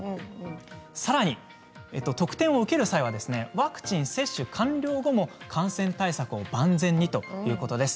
さらに、特典を受ける際はワクチン接種完了後も感染対策を万全にということです。